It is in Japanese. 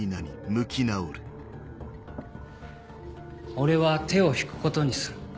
俺は手を引くことにする。